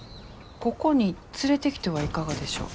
ここに連れてきてはいかがでしょう？